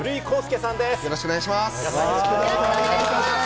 よろしくお願いします。